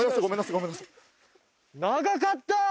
長かった！